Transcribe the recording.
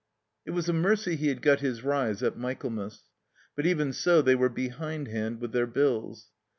It was a mercy he had got his rise at Michaelmas. But even so they were behindhand with their bills.